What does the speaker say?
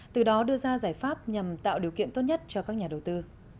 từ đó đưa ra giải pháp nhằm tạo điều kiện tốt nhất cho các nhà đầu tư